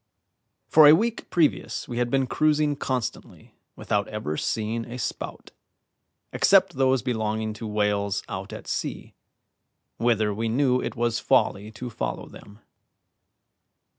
For a week previous we had been cruising constantly without ever seeing a spout, except those belonging to whales out at sea, whither we knew it was folly to follow them.